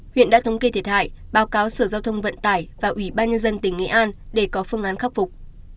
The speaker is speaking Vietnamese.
huyện đã thống kê thiệt hại báo cáo sở giao thông vận tải và ủy ban nhân dân tỉnh nghệ an để có phương án khắc phục